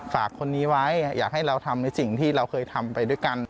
ฝากคนนี้ไว้อยากให้เราทำในสิ่งที่เราเคยทำไปด้วยกัน